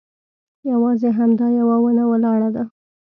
یوازې همدا یوه ونه ولاړه ده.